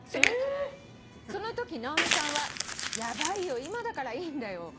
「そのとき直美さんは『ヤバいよ今だからいいんだよ